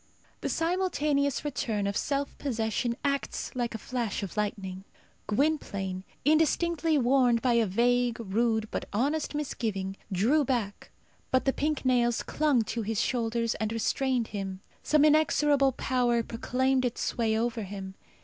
The simultaneous return of self possession acts like a flash of lightning. Gwynplaine, indistinctly warned by a vague, rude, but honest misgiving, drew back, but the pink nails clung to his shoulders and restrained him. Some inexorable power proclaimed its sway over him.